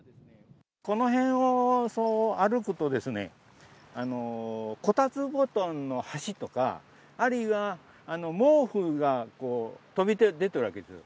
この辺を歩くとですね、こたつ布団の端とか、あるいは、毛布が飛び出ているわけです。